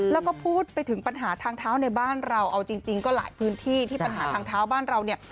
แล้วก็พูดไปถึงปัญหาทางเท้าในบ้านเราเอาจริงก็หลายพื้นที่ที่ปัญหาทางเท้าบ้านเราเนี่ย